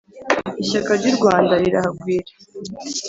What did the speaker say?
ishyaka ry'u rwanda rirahagwire.